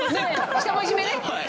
１文字目ね。